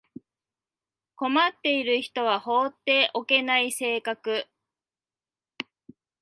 困っている人は放っておけない性格